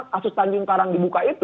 kasus tanjung karang dibuka itu